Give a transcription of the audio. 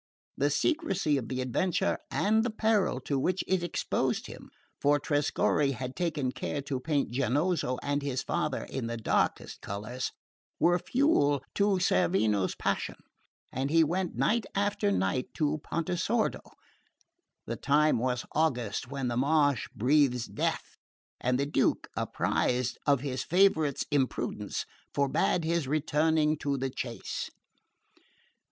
The secrecy of the adventure, and the peril to which it exposed him (for Trescorre had taken care to paint Giannozzo and his father in the darkest colours) were fuel to Cerveno's passion, and he went night after night to Pontesordo. The time was August, when the marsh breathes death, and the Duke, apprised of his favourite's imprudence, forbade his returning to the chase.